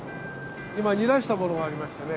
今煮出したものがありましてね。